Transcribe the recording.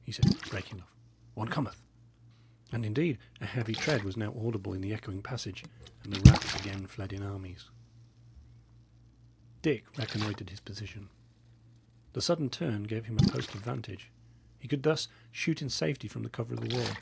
he said, breaking off "one cometh." And indeed a heavy tread was now audible in the echoing passage, and the rats again fled in armies. Dick reconnoitred his position. The sudden turn gave him a post of vantage. He could thus shoot in safety from the cover of the wall.